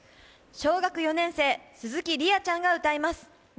小学４年生、鈴木莉愛ちゃんが歌います。